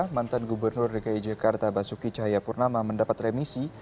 mantan gubernur dki jakarta basuki cahaya purnama mendapat remisi